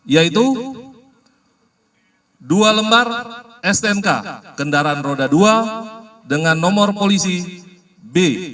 yaitu dua lembar stnk kendaraan roda dua dengan nomor polisi b